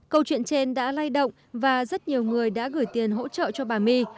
câu chuyện trên đã lay động và rất nhiều người đã gửi tiền hỗ trợ cho bà my